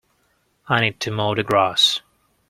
I need to mow the grass.